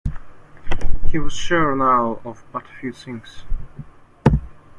He was sure, now, of but few things.